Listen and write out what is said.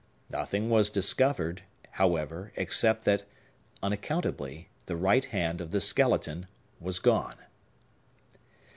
Nothing was discovered, however, except that, unaccountably, the right hand of the skeleton was gone.